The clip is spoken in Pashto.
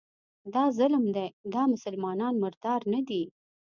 دا ظلم دی، دا مسلمانان مردار نه دي